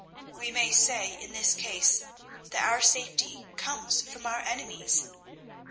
We may say in this case that our safety comes from our enemies.